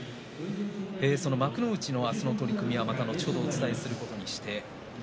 その幕内の明日の取組はまた後ほどお伝えすることにして翠